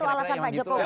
kurang lebih lah